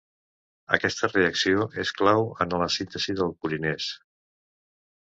Aquesta reacció és clau en la síntesi de purines.